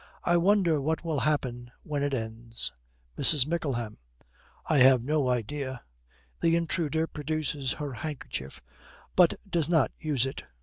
'I wonder what will happen when it ends?' MRS. MICKLEHAM. 'I have no idea.' The intruder produces her handkerchief, but does not use it.